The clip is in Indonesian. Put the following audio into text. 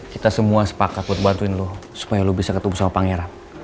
kita semua sepakat buat bantuin lo supaya lu bisa ketemu sama pangeran